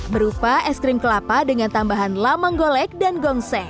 berupa es krim kelapa dengan tambahan lamang golek dan gongseng